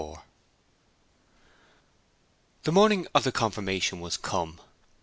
XXIV The morning of the confirmation was come.